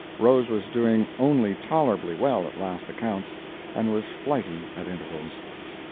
Rose was doing only tolerably well at last accounts, and was flighty at intervals.